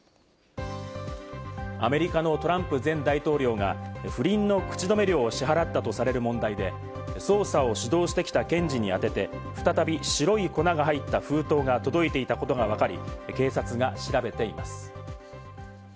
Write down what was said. アメリカのトランプ前大統領が不倫の口止め料を支払ったとされる問題で、捜査を主導してきた検事にあてて再び白い粉が入った封筒が届いていたことがわかり、警察が調べています。